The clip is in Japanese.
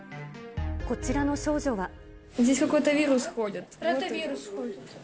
こちらの少女は。